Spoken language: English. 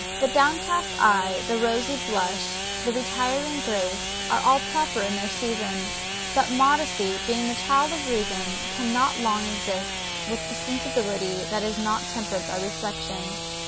the downcast eye, the rosy blush, the retiring grace, are all proper in their season; but modesty, being the child of reason, cannot long exist with the sensibility that is not tempered by reflection.